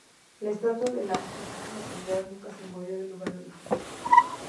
La Estatua de la Santísima Trinidad nunca se movió de su lugar original.